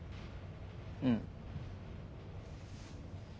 うん。